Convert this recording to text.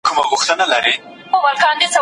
لویه جرګه څوک رابولي؟